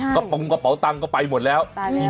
กระเบื้อกะเป๋าปั๊วตังก็ไปหมดแล้วตายแล้ว